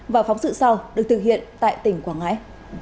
và phóng sự sau được thực hiện tại tỉnh quảng ngãi